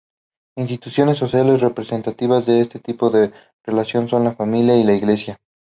Instituciones sociales representativas de este tipo de relación son la familia y la iglesia.